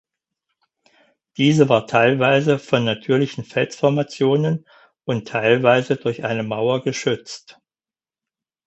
Diese war teilweise von natürlichen Felsformationen und teilweise durch eine Mauer geschützt.